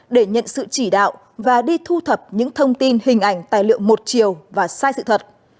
để nhận sự chỉ đạo và đi thu thập những thông tin hình ảnh tài liệu một chiều và sai sự thật